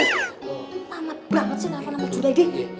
tamat banget sih naro nama juda deh